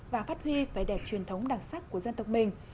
và phát huy vẻ đẹp truyền thống đặc sắc của dân tộc mình